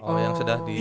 oh yang sedah di